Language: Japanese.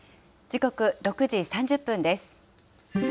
時刻、６時３０分です。